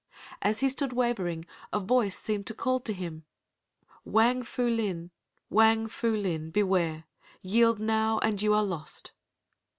As he stood wavering a voice seemed to call to him, "Wang Fu Lin, Wang Fu Lin, beware! Yield now and you are lost."